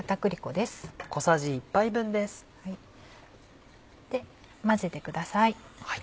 で混ぜてください。